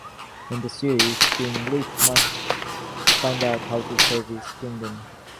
In the series, King Lief must find out how to save his kingdom.